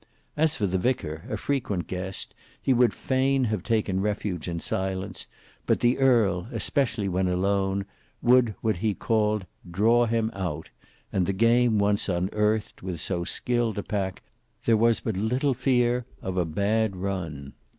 As for the vicar, a frequent guest, he would fain have taken refuge in silence, but the earl, especially when alone, would what he called "draw him out," and the game once unearthed, with so skilled a pack there was but little fear of a bad run.